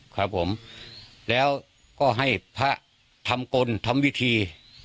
ครับผมแล้วก็ให้พระทำกลทำวิธี